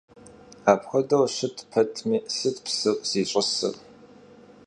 Apxuedeu şıt petmi, sıt psır ziş'ısır?